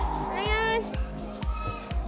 よし！